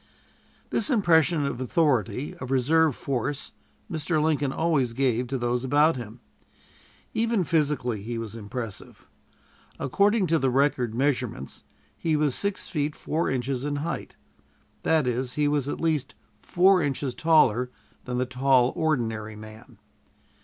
This impression of authority, of reserve force, Mr. Lincoln always gave to those about him. Even physically he was impressive. According to the record measurements, he was six feet four inches in height. That is, he was at least four inches taller than the tall, ordinary man.